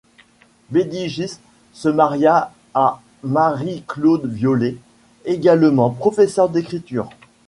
Bédigis se maria à Marie-Claude Violet, également professeur d'écriture.